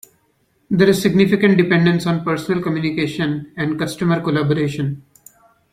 There is significant dependence on personal communication and customer collaboration.